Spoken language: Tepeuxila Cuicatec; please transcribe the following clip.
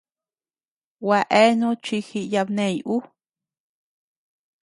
Gua eanu chi jiyabney ú.